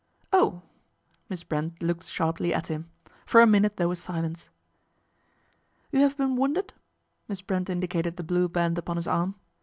" Oh !" Miss Brent looked sharply at him. For j a minute there was silence. I "You have been wounded?" Miss Brent in dicated the blue band upon his arm.